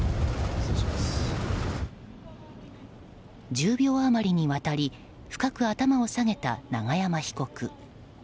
１０秒余りにわたり深く頭を下げた永山被告。